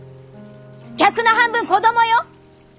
客の半分子供よ？